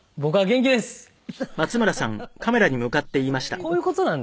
こういう事なんですね。